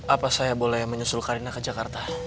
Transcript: apa saya boleh menyusul karina ke jakarta